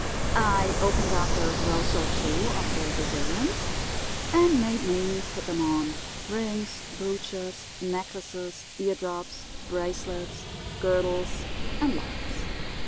I opened up a gross or two of the Brazilians and made Mame put them on—rings, brooches, necklaces, eardrops, bracelets, girdles, and lockets.